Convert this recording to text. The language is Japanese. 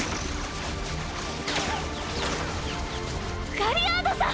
ガリアードさん！！